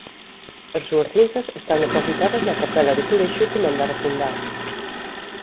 As súas cinzas están depositadas na capela do Colexio que mandara fundar.